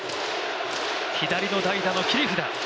左の代打の切り札。